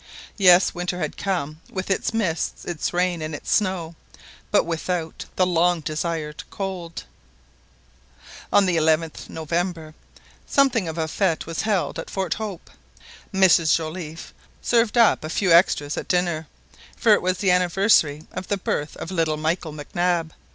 Yes, winter had come with its mists, its rain, and its snow, but without the long desired cold. On the 11th November something of a fête was held at Fort Hope. Mrs Joliffe served up a few extras at dinner, for it was the anniversary of the birth of little Michael Mac Nab.